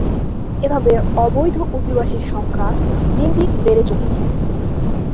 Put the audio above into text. এভাবে অবৈধ অভিবাসীর সংখ্যা দিন দিন বেড়ে চলেছে।